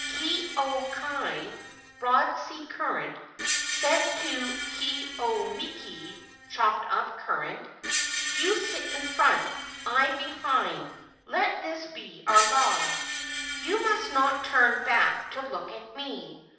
Ke au kai (Broad sea current) said to Ke au miki (Chopped up current): "You sit in front, I be¬ hind. Let this be our law. You must not turn back to look at me.